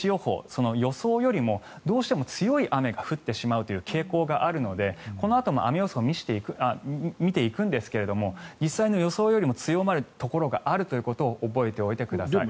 その予報よりもどうしても強い雨が降ってしまうという傾向があるので、このあとも雨予想を見ていくんですけれど実際の予想よりも強まるところがあると覚えていてください。